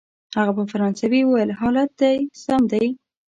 هغه په فرانسوي وویل: حالت دی سم دی؟